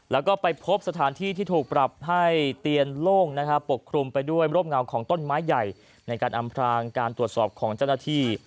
แล้วก็ไปพบสถานที่ที่ถูกปรับให้เตียนโล่งปกคลุมไปด้วยร่มเงาของต้นไม้ใหญ่ในการอำพรางการตรวจสอบของเจ้าหน้าที่